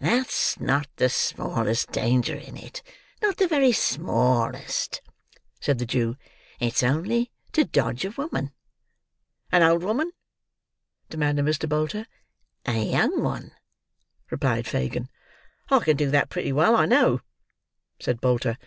"That's not the smallest danger in it—not the very smallest," said the Jew; "it's only to dodge a woman." "An old woman?" demanded Mr. Bolter. "A young one," replied Fagin. "I can do that pretty well, I know," said Bolter.